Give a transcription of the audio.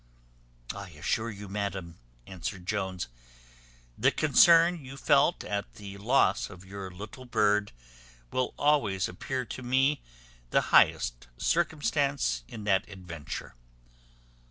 "I assure you, madam," answered Jones, "the concern you felt at the loss of your little bird will always appear to me the highest circumstance in that adventure.